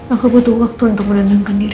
aku butuh waktu untuk menenangkan diri